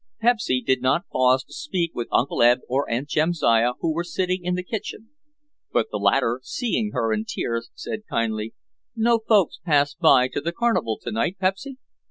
Pepsy did not pause to speak with Uncle Eb and Aunt Jamsiah who were sitting in the kitchen, but the latter, seeing her in tears, said kindly, "No folks passed by to the carnival to night, Pepsy?"